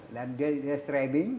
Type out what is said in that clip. dan dia streaming